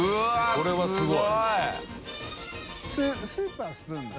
これはすごい！